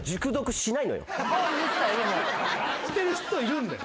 してる人いるんだよ。